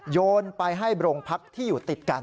โยนไปให้โรงพักที่อยู่ติดกัน